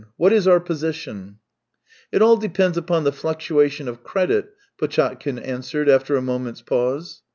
What is our position ?"" It all depends upon the fluctuation of credit," Potchatkin answered after a moment's pause.